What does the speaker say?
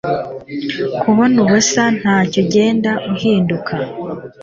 kubona ubusa ntacyo ugenda uhinduka